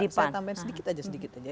kita tambahin sedikit aja sedikit aja